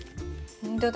ほんとだ。